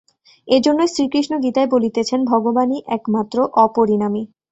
এইজন্যই শ্রীকৃষ্ণ গীতায় বলিতেছেন, ভগবানই একমাত্র অপরিণামী।